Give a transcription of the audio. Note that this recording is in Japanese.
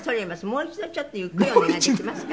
「もう一度ちょっとゆっくりお願いできますか？」